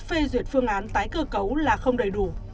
phê duyệt phương án tái cơ cấu là không đầy đủ